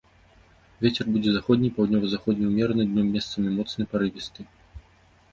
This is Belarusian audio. Вецер будзе заходні, паўднёва-заходні ўмераны, днём месцамі моцны парывісты.